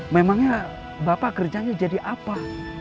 memangnya bapak kerjanya jadi apa